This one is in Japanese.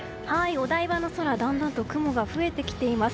お台場の空だんだんと雲が増えてきています。